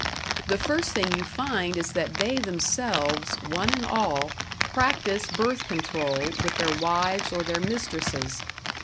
The first thing you find is that they themselves, one and all, practice birth control with their wives or their mistresses.